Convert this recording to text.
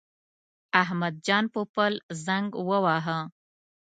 احمد جان پوپل زنګ وواهه.